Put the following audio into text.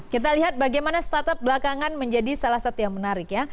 kita lihat bagaimana startup belakangan menjadi salah satu yang menarik ya